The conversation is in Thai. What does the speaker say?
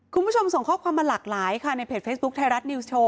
คุณผู้ชมส่งข้อความมาหลากหลายค่ะในเพจเฟซบุ๊คไทยรัฐนิวส์โชว